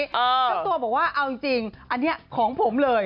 เจ้าตัวบอกว่าเอาจริงอันนี้ของผมเลย